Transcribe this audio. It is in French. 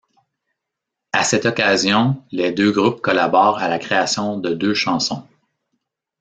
À cette occasion, les deux groupes collaborent à la création de deux chansons.